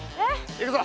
行くぞ。